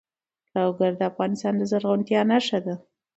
لوگر د افغانستان د زرغونتیا نښه ده.